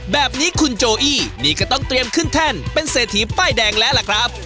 แบบนี้คุณโจอี้นี่ก็ต้องเตรียมขึ้นแท่นเป็นเศรษฐีป้ายแดงแล้วล่ะครับ